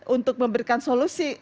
untuk memberikan solusi